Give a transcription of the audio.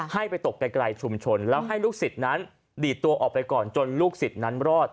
ให้ไปตกไกลชุมชนแล้วให้ลูกศิษย์นั้นดีดตัวออกไปก่อนจนลูกศิษย์นั้นรอด